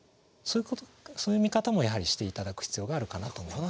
そういう見方もやはりして頂く必要があるかなと思います。